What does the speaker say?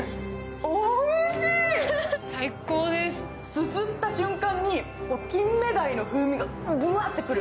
すすった瞬間に金目鯛の風味がぶわーってくる。